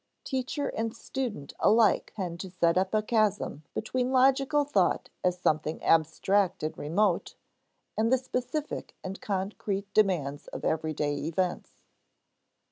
Teacher and student alike tend to set up a chasm between logical thought as something abstract and remote, and the specific and concrete demands of everyday events.